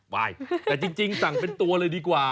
ไปแต่จริงสั่งเป็นตัวเลยดีกว่า